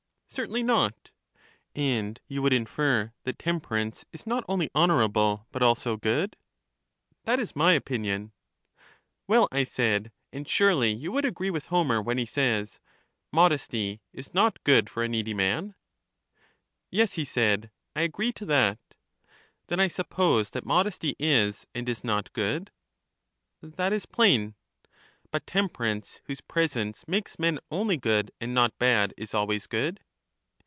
Certainly not. And you would iij^er that temperance is not only honorable, but also good? That is my opinion. Well, I said; and surely you would agree with Homer when he says, " Modesty is not good for a needy man ? Yes, he said ; I agree to that. ? Then I suppose that modesty js and is flot good? That is plain. But temperance, whose presence makes men only good, and not bad, is always good?